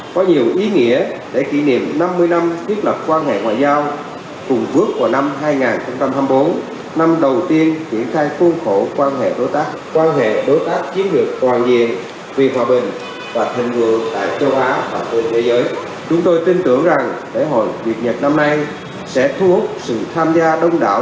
chúng tôi tin tưởng rằng lễ hội việt nhật năm nay sẽ thu hút sự tham gia đông đạo